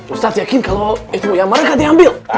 ustaz yakin kalo itu yang mereka diambil